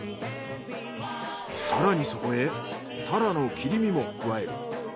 更にそこへタラの切り身も加える。